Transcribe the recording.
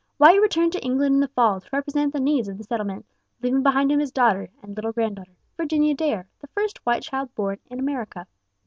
White returned to England in the fall to represent the needs of the settlement, leaving behind him his daughter and little granddaughter, Virginia Dare, the first white child born in America.